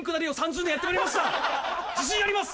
自信あります！